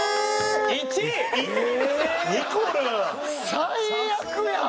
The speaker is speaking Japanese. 最悪やん！